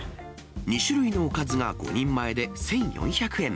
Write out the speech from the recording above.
２種類のおかずが５人前で１４００円。